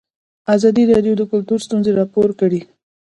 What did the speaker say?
ازادي راډیو د کلتور ستونزې راپور کړي.